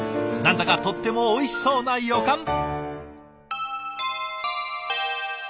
何だかとってもおいしそうな予感！